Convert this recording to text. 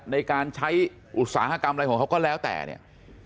ในการใช้อุตสาหกรรมอะไรของเขาก็แล้วแต่เนี่ย